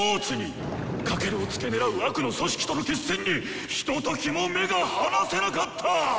翔を付け狙う悪の組織との決戦にひとときも目が離せなかった！